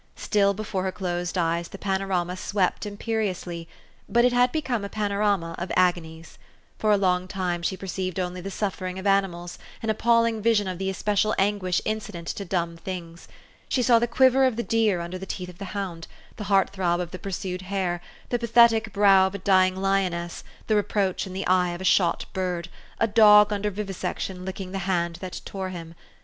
Still before her closed eyes the panorama swept imperiously ; but it had become a panorama of agonies. For a long time she per ceived only the suffering of animals, an appalling vision of the especial anguish incident to dumb things. She saw the quiver of the deer under the teeth of the hound, the heart throb of the pursued hare, the pathetic brow of a d}dng lioness, the reproach in the eye of a shot bird, a dog under vivisection licking the hand that tore him.